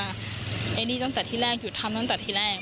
ไอ้นี่ตั้งแต่ที่แรกหยุดทำตั้งแต่ที่แรก